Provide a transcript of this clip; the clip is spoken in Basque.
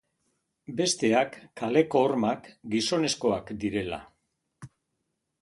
Besteak, kaleko hormak gizonezkoenak direla.